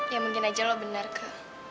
ya mungkin aja lo bener ke